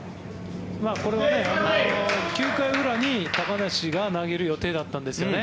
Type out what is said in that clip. これは９回裏に高梨が投げる予定だったんですよね。